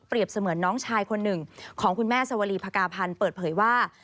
เสมือนน้องชายคนหนึ่งของคุณแม่สวรีภากาพันธ์เปิดเผยว่า